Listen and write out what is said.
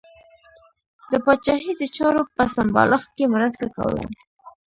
د پاچاهۍ د چارو په سمبالښت کې مرسته کوله.